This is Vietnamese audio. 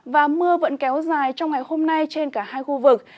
và mưa vẫn kéo dài trong ngày hôm nay trên cả hai khu vực